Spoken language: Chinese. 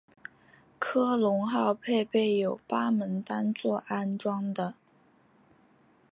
科隆号配备有八门单座安装的。